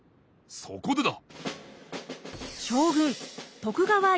そこでだ。